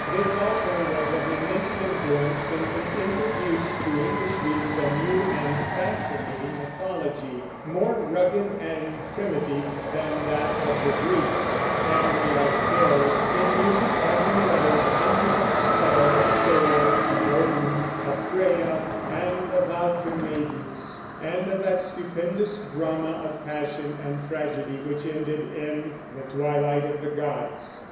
This also was of immense influence, since it introduced to English readers a new and fascinating mythology, more rugged and primitive than that of the Greeks; and we are still, in music as in letters, under the spell of Thor and Odin, of Frea and the Valkyr maidens, and of that stupendous drama of passion and tragedy which ended in the "Twilight of the Gods."